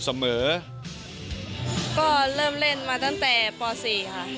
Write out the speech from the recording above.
เสมอก็เริ่มเล่นมาตั้งแต่ป๔ค่ะ